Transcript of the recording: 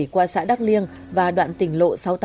qua xã đắc liêng và đoạn tỉnh lộ sáu trăm tám mươi bảy